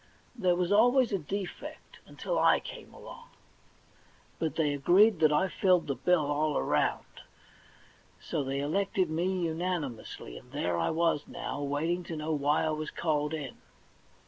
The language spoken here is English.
There was always a defect, until I came along ; but they agreed that I filled the bill all around ; so they elected me unani mously, and there I was, now, waiting to know why I was called in.